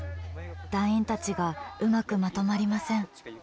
団員たちがうまくまとまりません。